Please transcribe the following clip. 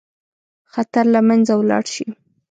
خطر له منځه ولاړ شي.